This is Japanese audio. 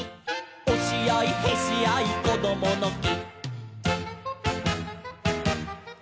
「おしあいへしあいこどものき」